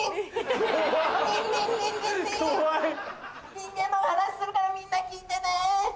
人間のお話しするからみんな聞いてね。